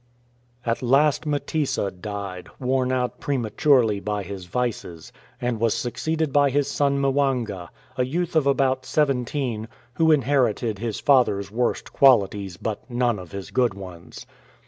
At last Mtesa died, worn out prematurely by his vices, and was succeeded by his son Mwanga, a youth of about seventeen, who inherited his father's worst qualities, but none of his good ones.